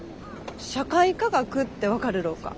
社会科学って分かるろうか？